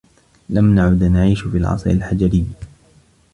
لم نعد نعيش في العصر الحجري.